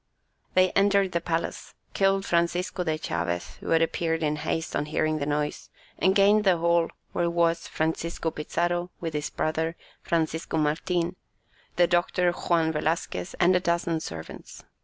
They entered the palace, killed Francisco de Chaves, who had appeared in haste on hearing the noise, and gained the hall, where was Francisco Pizarro, with his brother Francisco Martin, the doctor Juan Velasquez, and a dozen servants.